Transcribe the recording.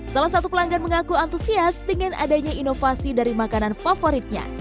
salah satu pelanggan mengaku antusias dengan adanya inovasi dari makanan favoritnya